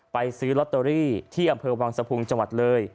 ซื้อลอตเตอรี่ที่อำเภอวังสะพุงจังหวัดเลย